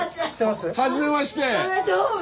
どうも。